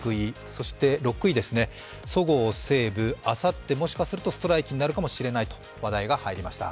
そして６位、そごう・西武、あさってもしかするとストライキになるかもしれないという話題が入りました。